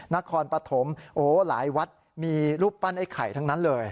นครปฐมโอ้หลายวัดมีรูปปั้นไอ้ไข่ทั้งนั้นเลย